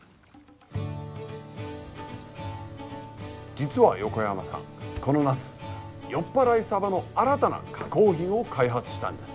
実は横山さんこの夏よっぱらいサバの新たな加工品を開発したんです。